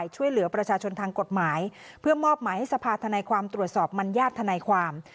ช่วยเหลือประชาชนทางกฎหมายเพื่อมอบหมายให้สภาธนายความตรวจสอบมัญญาติทนายความ